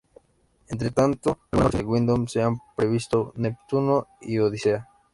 Entre tanto, algunas nuevas versiones de Windows se han previsto, "Neptuno" y "Odisea".